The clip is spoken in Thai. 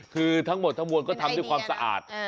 คือทั้งหมดทั้งมวลก็ทำด้วยความสะอาด